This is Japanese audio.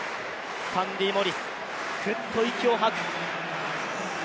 サンディ・モリスふっと息を吐く。